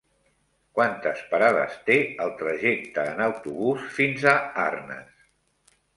Quantes parades té el trajecte en autobús fins a Arnes?